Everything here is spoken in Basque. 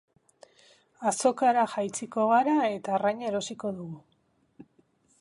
Azokara jaitsiko gara eta arraina erosiko dugu.